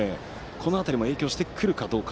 この辺りも影響してくるかどうか。